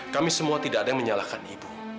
kami semua tidak ada yang menyalahkan ibu